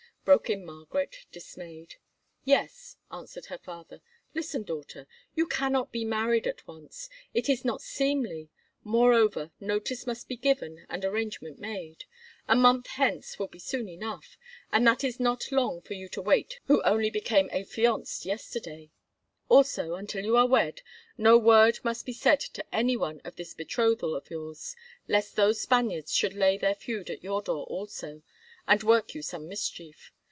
broke in Margaret, dismayed. "Yes," answered her father. "Listen, daughter. You cannot be married at once. It is not seemly; moreover, notice must be given and arrangement made. A month hence will be soon enough, and that is not long for you to wait who only became affianced yesterday. Also, until you are wed, no word must be said to any one of this betrothal of yours, lest those Spaniards should lay their feud at your door also, and work you some mischief.